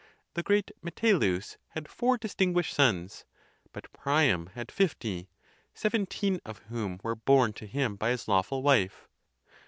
The great Metellus had four distinguished sons; but Priam had fifty, seventeen of whom were born to him by his lawful wife.